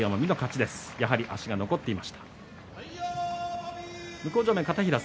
やはり足が残っていました。